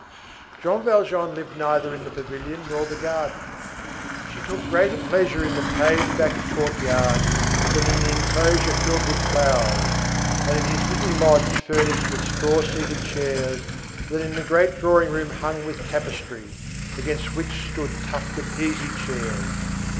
Jean Valjean lived neither in the pavilion nor the garden; she took greater pleasure in the paved back courtyard, than in the enclosure filled with flowers, and in his little lodge furnished with straw seated chairs than in the great drawing room hung with tapestry, against which stood tufted easy chairs.